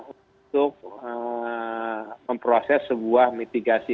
untuk memproses sebuah mitigasi